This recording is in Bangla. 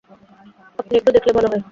আপনি একটু দেখলে ভালো হয়।